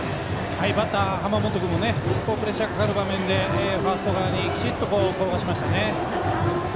バッター濱本君もプレッシャーかかる場面でファースト側にきちんと転がしましたね。